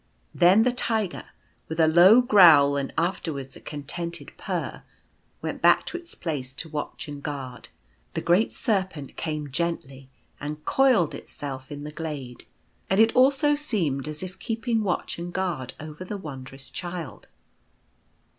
Then the Tiger, with a low growl and afterwards a contented purr, went back to its place to watch and guard ; the great Serpent came gently and* coiled itself in the glade, and it also seemed as if keeping watch and guard over the Wondrous Child.